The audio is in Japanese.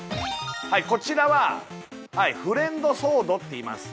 はいこちらはフレンドソードっていいます